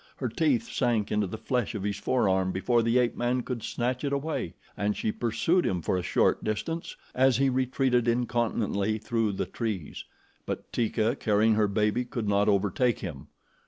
Her teeth sank into the flesh of his forearm before the ape man could snatch it away, and she pursued him for a short distance as he retreated incontinently through the trees; but Teeka, carrying her baby, could not overtake him.